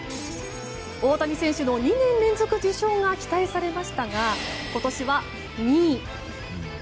大谷選手の２年連続受賞が期待されましたが今年は２位。